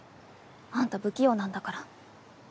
あんた不器用なんだから。